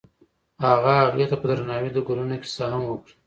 هغه هغې ته په درناوي د ګلونه کیسه هم وکړه.